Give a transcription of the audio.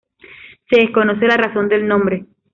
Se desconoce la razón del nombre.